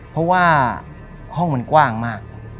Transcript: เพราะว่าห้องมันกว้างมาก